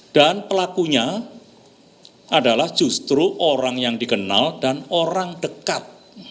dan pelakunya adalah justru orang yang dikenal dan orang dekat